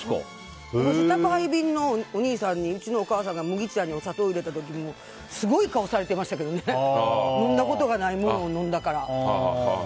昔、宅配便のお兄さんにうちのお母さんが麦茶にお砂糖入れた時すごい顔されていましたけど飲んだことをないもの飲んだから。